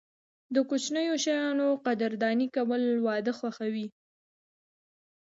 د کوچنیو شیانو قدرداني کول، واده خوښوي.